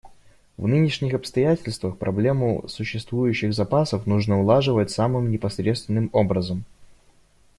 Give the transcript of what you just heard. В нынешних обстоятельствах проблему существующих запасов нужно улаживать самым непосредственным образом.